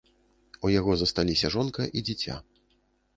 У яго засталіся жонка і дзіця.